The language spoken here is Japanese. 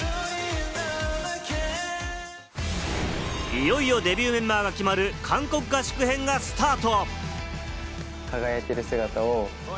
いよいよデビューメンバーが決まる韓国合宿編がスタート。